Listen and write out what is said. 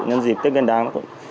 nhân dịp tết nguyên đán